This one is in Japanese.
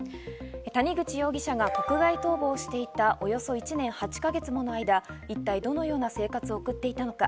谷口容疑者が国外逃亡していたおよそ１年８か月もの間、一体どのような生活を送っていたのか？